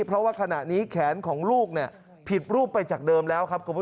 เพราะว่าขณะนี้แขนของลูกผิดรูปไปจากเดิมแล้วครับคุณผู้ชม